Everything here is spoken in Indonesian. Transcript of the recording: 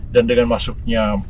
dan dengan masuknya